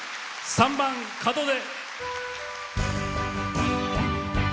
３番「門出」。